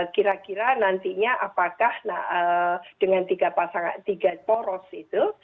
kira kira nantinya apakah dengan tiga poros itu